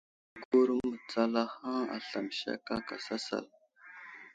Agur mətsalahaŋ aslam sek aka sasal.